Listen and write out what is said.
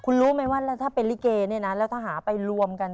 คุณรู้ไหมว่าแล้วถ้าเป็นลิเกเนี่ยนะแล้วถ้าหาไปรวมกัน